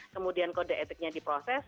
kemudian kode etiknya diproses